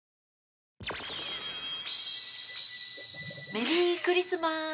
メリークリスマス。